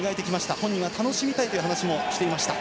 本人は楽しみたいという話もしていました。